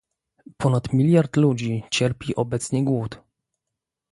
Ponad miliard ludzi cierpi obecnie głód